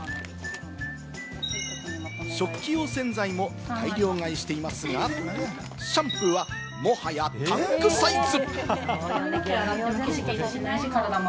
食器用洗剤も大量買いしていますが、シャンプーはもはやタンクサイズ！